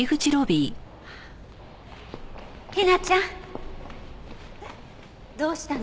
陽菜ちゃん。どうしたの？